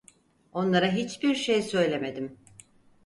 Onlara hiçbir şey söylemedim.